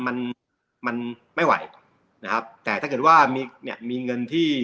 มันมันไม่ไหวนะครับแต่ถ้าเกิดว่ามีเนี่ยมีเงินที่